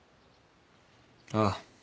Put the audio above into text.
ああ。